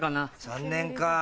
３年かぁ。